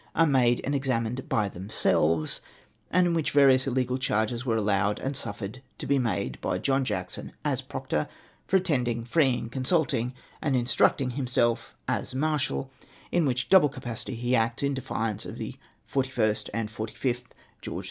are made and examined by themselves, and in which various illegal charges were allowed and suffered to be made by Jolm Jackson, as proctor, for attending, feeing, consultiug, and instructing himself as marshal ; in which double capacity he acts, in defiance of the 41st and of the 45th Greo.